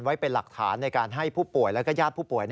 ไว้เป็นหลักฐานในการให้ผู้ป่วยและญาติผู้ป่วย